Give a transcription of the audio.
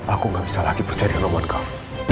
aku gak bisa lagi percaya dengan buat kamu